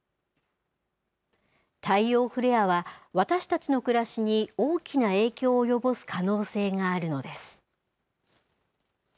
太陽フレアは、私たちの暮らしに大きな影響を及ぼす可能性があるのです。